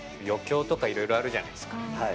余興とかいろいろあるじゃないですか。